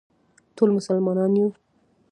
ټول مسلمانان یو